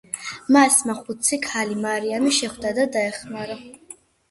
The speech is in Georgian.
მას მოხუცი ქალი მარიამი შეხვდება და დაეხმარება.